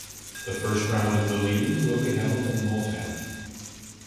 The first round of the league will be held in Multan.